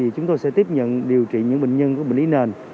chúng tôi sẽ tiếp nhận điều trị những bệnh nhân có bệnh lý nền